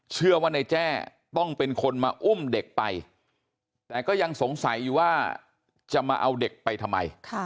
เชื่อว่านายแจ้ต้องเป็นคนมาอุ้มเด็กไปแต่ก็ยังสงสัยอยู่ว่าจะมาเอาเด็กไปทำไม